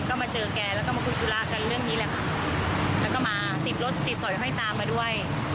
ก็มาเจอกันและคุยธุระกันเรื่องนี้แล้วก็มาติดรถติดสอยไฟตามมาด้วย